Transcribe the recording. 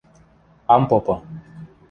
Ам попы.